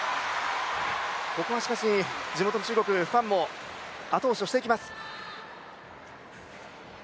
ここはしかし地元の中国ファンも後押しをしていきます。